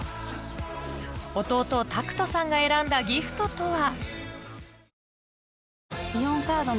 弟拓斗さんが選んだギフトとは？